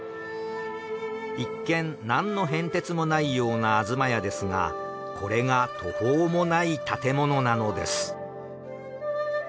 一見何の変哲もないようなあずまやですがこれが途方もない建物なのです。